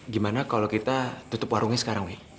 gimana kalau kita tutup warungnya sekarang nih